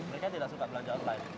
mereka tidak suka belanja online